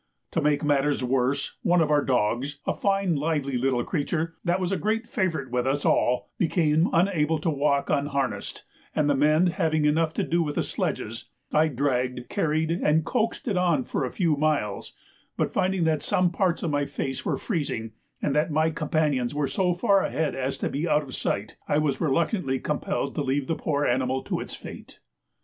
To make matters worse, one of our dogs, a fine lively little creature, that was a great favourite with us all, became unable to walk unharnessed, and the men having enough to do with the sledges, I dragged, carried, and coaxed it on for a few miles; but finding that some parts of my face were freezing, and that my companions were so far ahead as to be out of sight, I was reluctantly compelled to leave the poor animal to its fate.